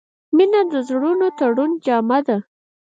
• مینه د زړونو د تړون جامه ده.